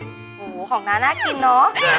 โอ้โหของน้าน่ากินเนอะ